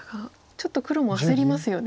ちょっと黒も焦りますよね